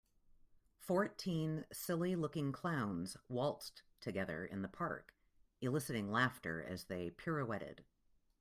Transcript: Fourteen silly looking clowns waltzed together in the park eliciting laughter as they pirouetted.